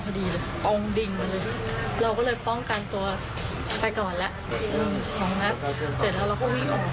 พอดีเลยกองดิ่งมาเลยเราก็เลยป้องกันตัวไปก่อนแล้วสองนัดเสร็จแล้วเราก็วิ่งออก